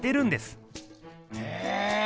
へえ！